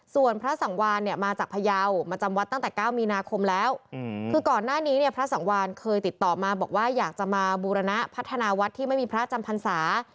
ส่วนพระสังวานเนี่ยมาจากพยาวมาจำวัดตั้งแต่๙มีนาคมแล้วคือก่อนหน้านี้เนี่ยพระสังวานเคยติดต่อมาบอกว่าอยากจะมาบูรณะพัฒนาวัดที่ไม่มีพระจำพรรษา